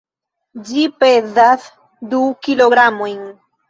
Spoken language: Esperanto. Ĝi pezas du kilogramojn.